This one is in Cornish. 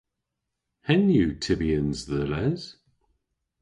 Henn yw tybyans dhe les.